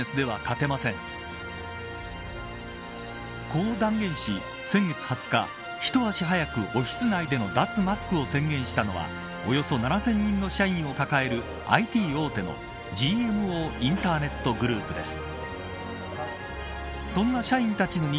こう断言し、先月２０日ひと足早くオフィス内での脱マスクを宣言したのはおよそ７０００人の社員を抱えるＩＴ大手のＧＭＯインターネットグループです。